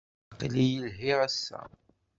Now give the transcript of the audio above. Aql-iyi lhiɣ, ass-a.